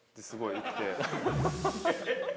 すごいね。